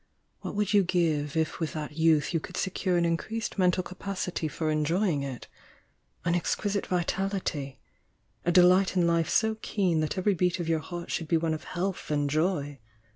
What would you give, if with that youth you could secure an increased mental capacity for enjoying it? — an exquisite vitality? — a delight in life so keen that every beat of your heart should be one of health and joy?